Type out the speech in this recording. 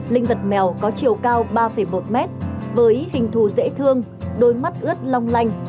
linh vật mèo có chiều cao ba một mét với hình thù dễ thương đôi mắt ướt long lanh